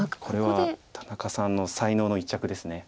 これは田中さんの才能の一着です。